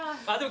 あ。